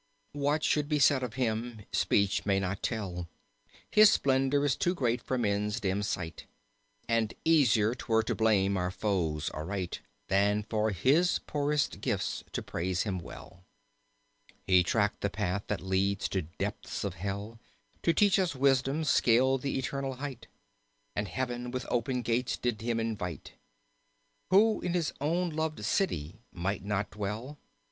What should be said of him speech may not tell; His splendor is too great for men's dim sight; And easier 'twere to blame his foes aright Than for his poorest gifts to praise him well. He tracked the path that leads to depths of Hell To teach us wisdom, scaled the eternal height. And heaven with open gates did him invite. Who in his own loved city might not dwell.